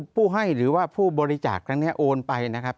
ผู้ให้หรือว่าผู้บริจาคครั้งนี้โอนไปนะครับ